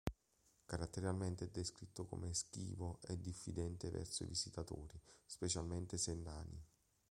Caratterialmente è descritto come schivo e diffidente verso i visitatori, specialmente se nani.